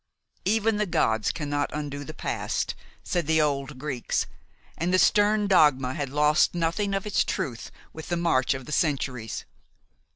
"Even the gods cannot undo the past," said the old Greeks, and the stern dogma had lost nothing of its truth with the march of the centuries.